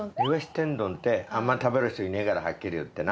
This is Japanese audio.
天丼って、あんま食べる人いないから、はっきり言ってな。